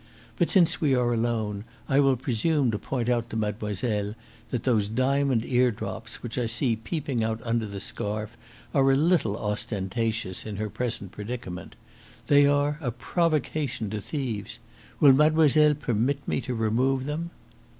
But since we are alone, I will presume to point out to mademoiselle that those diamond eardrops which I see peeping out under the scarf are a little ostentatious in her present predicament. They are a provocation to thieves. Will mademoiselle permit me to remove them?"